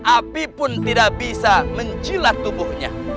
api pun tidak bisa mencilat tubuhnya